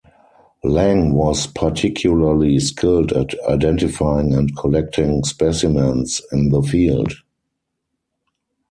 Lang was particularly skilled at identifying and collecting specimens in the field.